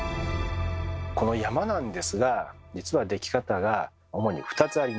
この「山」なんですが実はでき方が主に２つあります。